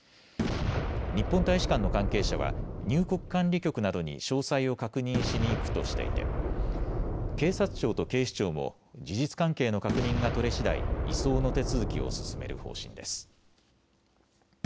日本大使館の関係者は入国管理局などに詳細を確認しに行くとしていて警察庁と警視庁も事実関係の確認が取れしだい移送の手続きを進める方針です。